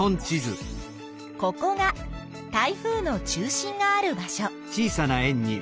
ここが台風の中心がある場所。